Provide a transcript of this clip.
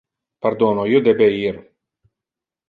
Pardono, io debe ir.